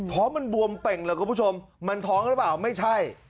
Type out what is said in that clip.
ท้องมันบวมเป่งเลยคุณผู้ชมมันท้องหรือเปล่าไม่ใช่